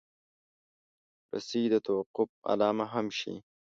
رسۍ د توقف علامه هم شي.